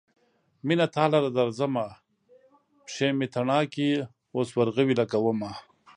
مينه تا لره درځمه : پښې مې تڼاکې اوس ورغوي لګومه